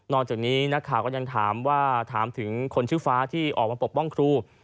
จากนี้นักข่าวก็ยังถามว่าถามถึงคนชื่อฟ้าที่ออกมาปกป้องครู